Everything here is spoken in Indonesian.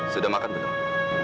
sudah makan belum